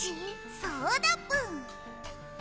そうだぷんっ！